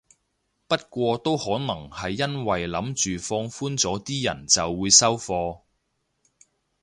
不過都可能係因為諗住放寬咗啲人就會收貨